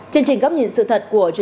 trong đài ergeb lovely điều chí thủy huy